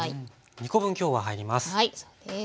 ２コ分今日は入ります。